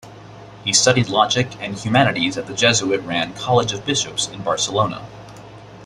He studied logic and Humanities at the Jesuit ran College of Bishops in Barcelona.